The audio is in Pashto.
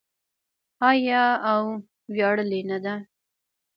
آیا او ویاړلې نه ده؟